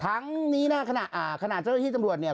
ทั้งนี้นะขณะเจ้าหน้าที่ตำรวจเนี่ย